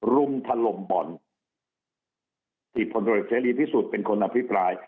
รุมถล่มบ่อนที่พลตรวจเสรีพิสุทธิ์เป็นคนอภิปราย